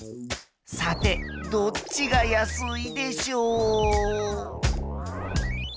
さてどっちが安いでしょう？